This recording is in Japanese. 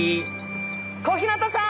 小日向さん！